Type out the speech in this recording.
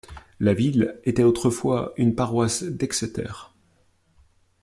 La ville était autrefois une paroisse d'Exeter.